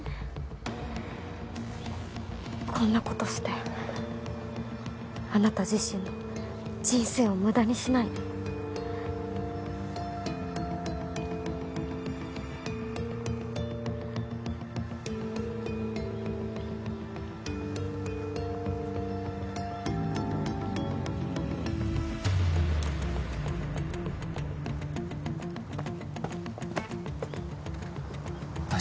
こんなことしてあなた自身の人生を無駄にしないで大丈夫か？